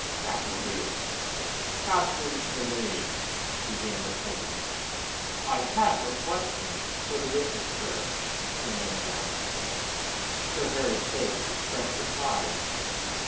"That will do." "Captain Tremayne " began the president. "I have no questions for the witness, sir," Tremayne announced. Sir Harry's face expressed surprise.